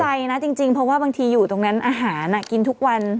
ใจนะจริงเพราะว่าบางทีอยู่ตรงนั้นอาหารกินทุกวัน